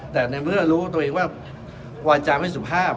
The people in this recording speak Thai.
แต่เมื่อรู้วาจาวิทยาสุภาพ